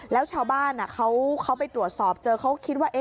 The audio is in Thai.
แล้วชาวบ้านเขาไปตรวจสอบเจอเขาคิดว่า